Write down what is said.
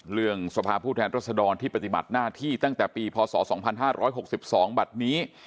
สภาพผู้แทนรัศดรที่ปฏิบัติหน้าที่ตั้งแต่ปีพศ๒๕๖๒บัตรนี้